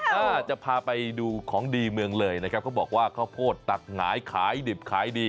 อ่าจะพาไปดูของดีเมืองเลยนะครับเขาบอกว่าข้าวโพดตักหงายขายดิบขายดี